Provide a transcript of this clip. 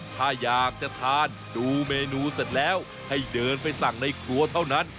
ถ้าอยากจะทานดูเมนูเสร็จแล้วให้เดินไปสั่งในครัวเท่านั้น